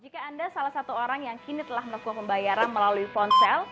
jika anda salah satu orang yang kini telah melakukan pembayaran melalui ponsel